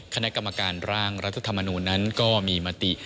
คณะกรรมการร่างรัฐธรรมนูลนั้นก็มีมติ